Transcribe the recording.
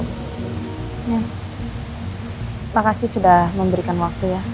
terima kasih sudah memberikan waktunya